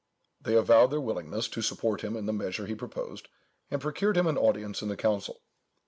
They avowed their willingness to support him in the measure he proposed, and procured him an audience in the council.